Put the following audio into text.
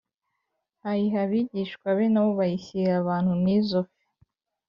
ayiha abigishwa be na bo bayishyira abantu n izo fi